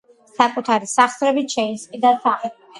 საკუთარი სახსრებით შეისყიდა სახლი